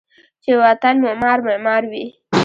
چې و طن معمار ، معمار وی